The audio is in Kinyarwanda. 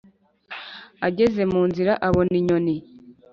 ageze mu nzira, abona inyoni